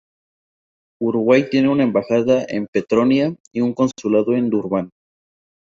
Uruguay tiene una embajada en Pretoria y un consulado en Durban.